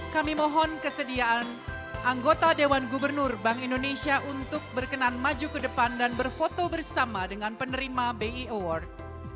kami mohon kesediaan anggota dewan gubernur bank indonesia untuk berkenan maju ke depan dan berfoto bersama dengan penerima bi award